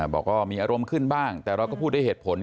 บอกว่ามีอารมณ์ขึ้นบ้างแต่เราก็พูดด้วยเหตุผล